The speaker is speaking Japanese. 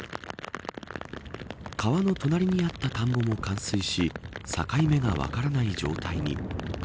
川の隣にあった田んぼも冠水し境目が分からない状態に。